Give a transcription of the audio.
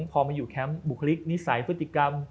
พอมาอยู่แคมป์บุคลิกนิสัยพฤติกรรม